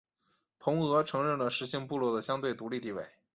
同俄承认了十姓部落的相对独立地位。